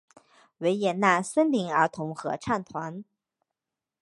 维也纳森林儿童合唱团。